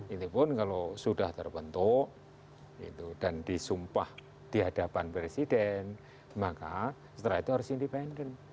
itu pun kalau sudah terbentuk dan disumpah di hadapan presiden maka setelah itu harus independen